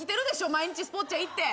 毎日スポッチャ行って。